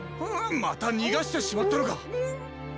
またにがしてしまったのか？